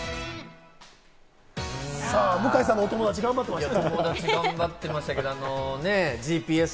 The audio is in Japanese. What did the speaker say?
さぁ、向井さんのお友達、頑張ってました。